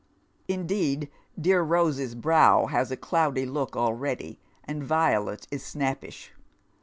Indeed, dear Eose'a brow has a cloudy look already, and Violet is snappish.